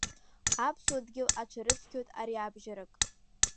Аԥсуа дгьыл аҽарыцқьоит ариабжьарак…